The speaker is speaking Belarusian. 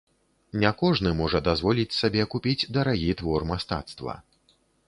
Не кожны можа дазволіць сабе купіць дарагі твор мастацтва.